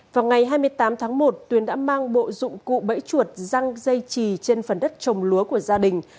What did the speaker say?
vào ngày hai mươi tám tháng một tuyền đã mang bộ dụng cụ bẫy chuột răng dây trì trên phần đất trồng lúa của gia đình